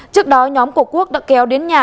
trước đó nhóm của quốc đã kéo đến nhà